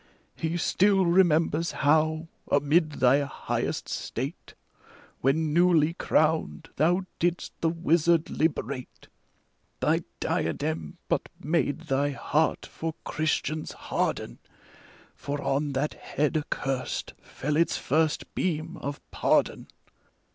He still remembers how^ amid thy highest state, ACT IV. 221 When newly crowned, thou didst the wizard liberate. Thy diadem but made thy heart for Christians harden, For on that head accurst fell its first beam of pardon.